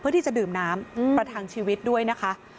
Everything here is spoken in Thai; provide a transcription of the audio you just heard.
ที่จะดื่มน้ำประทังชีวิตด้วยนะคะ